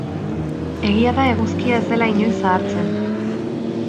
Egia da eguzkia ez dela inoiz zahartzen.